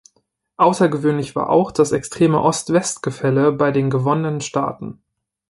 Außergewöhnlich war auch das extreme Ost-West-Gefälle bei den gewonnenen Staaten.